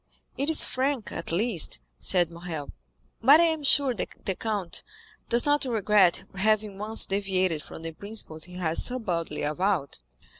"It is frank, at least," said Morrel. "But I am sure that the count does not regret having once deviated from the principles he has so boldly avowed."